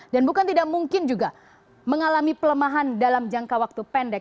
dan bukan tidak mungkin juga mengalami pelemahan dalam jangka waktu pendek